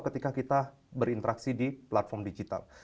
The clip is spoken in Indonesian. ketika kita berinteraksi di platform digital